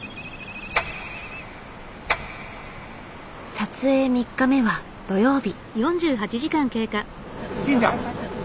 撮影３日目は土曜日。